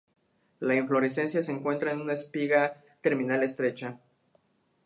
La inflorescencia se encuentra en una espiga terminal estrecha.